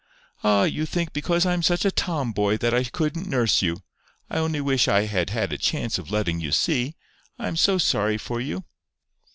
"Ah! you think because I'm such a tom boy, that I couldn't nurse you. I only wish I had had a chance of letting you see. I am so sorry for you!"